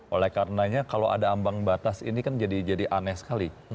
oleh karenanya kalau ada ambang batas ini kan jadi aneh sekali